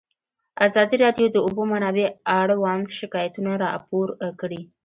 ازادي راډیو د د اوبو منابع اړوند شکایتونه راپور کړي.